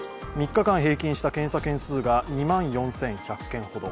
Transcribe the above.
３日間平均した検査件数が２万４１００件ほど。